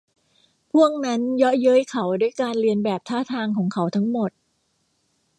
พวกนั้นเยาะเย้ยเขาด้วยการเลียนแบบท่าทางของเขาทั้งหมด